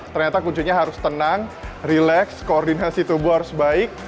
ternyata kuncinya harus tenang relax koordinasi tubuh harus baik